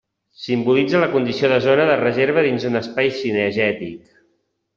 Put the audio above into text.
Simbolitza la condició de zona de reserva dins d'un espai cinegètic.